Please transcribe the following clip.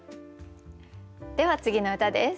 では次の歌です。